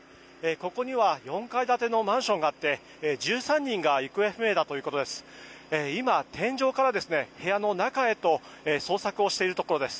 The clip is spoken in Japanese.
ここには４階建てのマンションがあって１３人が行方不明だということです。